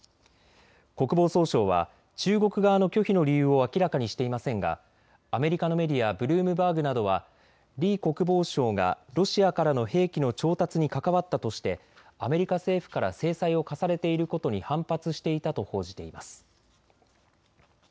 国防総省は中国側の拒否の理由を明らかにしていませんがアメリカのメディア、ブルームバーグなどは李国防相がロシアからの兵器の調達に関わったとしてアメリカ政府から制裁を科されていることに反発していたと報じています。